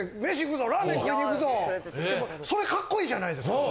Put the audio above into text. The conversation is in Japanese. それカッコいいじゃないですか。